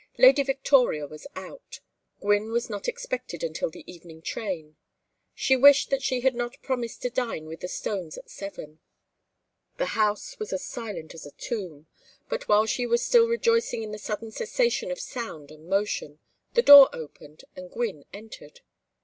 Lady Victoria was out. Gwynne was not expected until the evening train. She wished that she had not promised to dine with the Stones at seven. The house was as silent as a tomb; but while she was still rejoicing in the sudden cessation of sound and motion, the door opened and Gwynne entered.